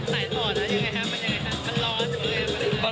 มันไหนต่อแล้วยังไงครับมันยังไงครับมันร้อน